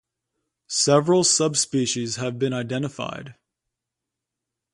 Several subspecies have been identified.